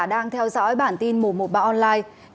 đang theo dõi bản tin một trăm một mươi ba online